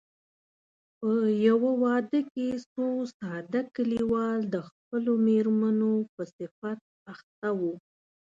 په يوه واده کې څو ساده کليوال د خپلو مېرمنو په صفت اخته وو.